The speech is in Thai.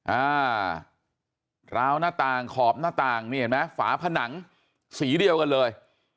อ่าราวหน้าต่างขอบหน้าต่างนี่เห็นไหมฝาผนังสีเดียวกันเลย